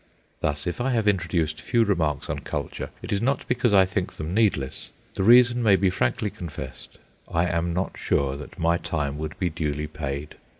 Thus, if I have introduced few remarks on culture, it is not because I think them needless. The reason may be frankly confessed. I am not sure that my time would be duly paid.